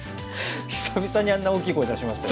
久々にあんな大きい声出しました。